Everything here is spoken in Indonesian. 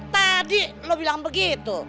tadi lo bilang begitu